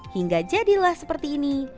hingga jadilah seperti ini